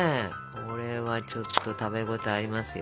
これはちょっと食べ応えありますよ。